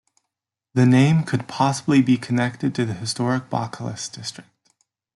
The name could possibly be connected to the historic Baucalis district.